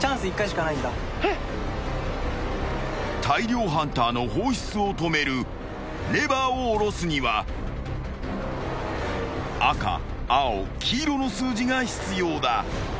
［大量ハンターの放出を止めるレバーを下ろすには赤青黄色の数字が必要だ］